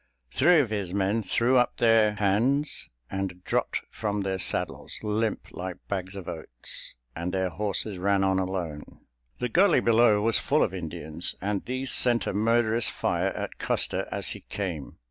Three of his men threw up their hands, and dropped from their saddles, limp like bags of oats, and their horses ran on alone. The gully below was full of Indians, and these sent a murderous fire at Custer as he came.